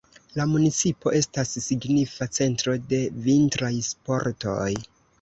La municipo estas signifa centro de vintraj sportoj.